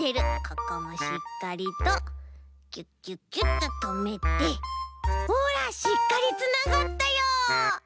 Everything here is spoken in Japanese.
ここもしっかりとギュッギュッギュッととめてほらしっかりつながったよ！